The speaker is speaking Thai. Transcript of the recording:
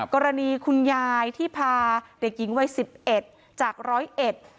กรณีคุณยายที่พาเด็กหญิงวัย๑๑จากร้อยเอ็ด